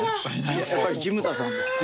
やっぱり「じむた」さんですか？